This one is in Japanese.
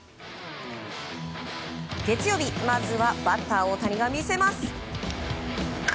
月曜日、まずはバッター大谷が魅せます。